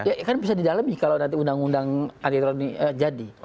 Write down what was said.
ya kan bisa di dalam nih kalau nanti undang undang anti teror ini jadi